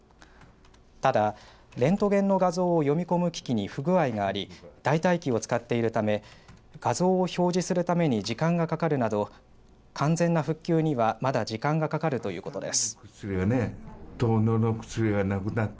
ただレントゲンの画像を読み込む機器に不具合があり代替機を使っているため画像を表示するために時間がかかるなど完全な復旧にはまだ時間がかかるということです。